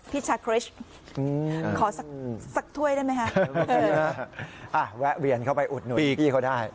พี่ชะคริชขอสักถ้วยได้ไหมฮะแวะเวียนเข้าไปอุดหน่อย